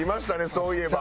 そういえば。